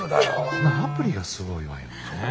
そのアプリがすごいわよね。